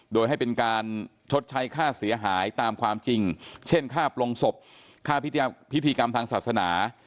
โดยให้เป็นการชดใช้ค่าเสียหายตามความจริงเช่นค่าปลงศพค่าพิธีกรรมทางศาสนา